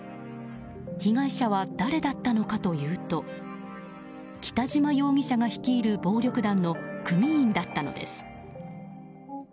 被害者は誰だったのかというと北嶌容疑者が率いる暴力団の組員だったのです。